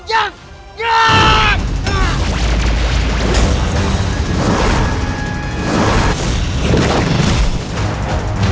jalur jalur portfolio itu